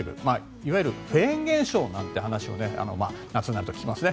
いわゆるフェーン現象なんて話を夏になると聞きますね。